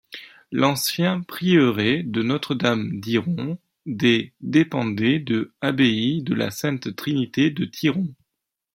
L'ancien prieuré de Notre-Dame d'Yron des dépendait de abbaye de la Sainte-Trinité de Tiron.